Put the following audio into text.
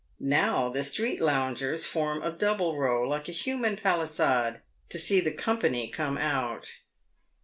Now, the Street loungers form a double row like a human palisade, to see the " company" come out.